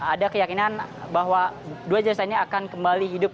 ada keyakinan bahwa dua jasa ini akan kembali hidup